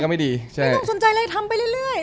ไม่ต้องสนใจอะไรทำไปเรื่อย